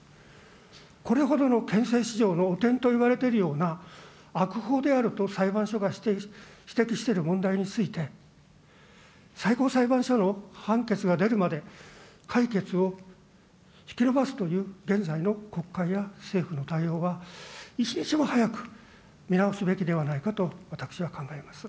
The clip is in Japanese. これほどの憲政史上の汚点といわれているような悪法であると裁判所が指摘している問題について、最高裁判所の判決が出るまで、解決を引き延ばすという現在の国会や政府の対応は、一日も早く見直すべきではないかと私は考えます。